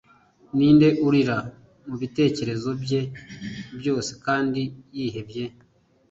Ninde urira mubitekerezo bye byose kandi yihebye